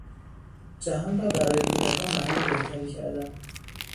جهان را برای کودکان محل بهتری کردن